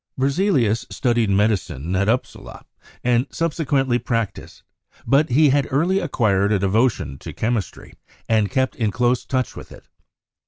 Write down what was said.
Berzelius studied medicine at Upsala, and subsequently practiced, but he had early acquired a devotion to chem istry and kept in close touch with it.